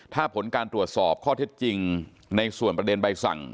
ถ้าผลการตรวจสอบข้อเท็จจริงในส่วนประเด็นใบสั่ง